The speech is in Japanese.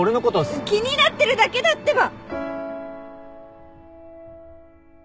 気になってるだけだってば！